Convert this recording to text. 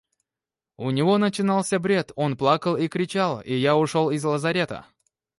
У него начинался бред, он плакал и кричал, и я ушел из лазарета.